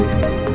aku mau ke rumah